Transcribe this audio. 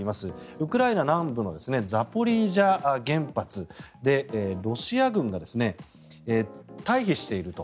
ウクライナ南部のザポリージャ原発でロシア軍が退避していると。